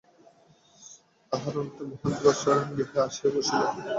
আহারান্তে মহেন্দ্র শয়নগৃহে আসিয়া বসিল।